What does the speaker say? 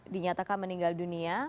dinyatakan meninggal dunia